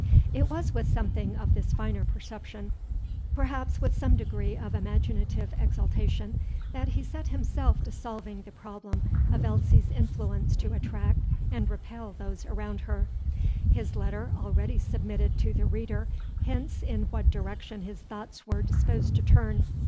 It was with something of this finer perception, perhaps with some degree of imaginative exaltation, that he set himself to solving the problem of Elsie's influence to attract and repel those around her. His letter already submitted to the reader hints in what direction his thoughts were disposed to turn.